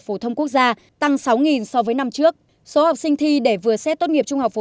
phổ thông quốc gia tăng sáu so với năm trước số học sinh thi để vừa xét tốt nghiệp trung học phổ